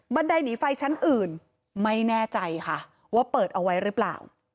ไดหนีไฟชั้นอื่นไม่แน่ใจค่ะว่าเปิดเอาไว้หรือเปล่า